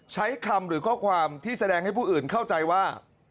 ใช้คำหรือข้อความที่แสดงให้ผู้อื่นเข้าใจว่า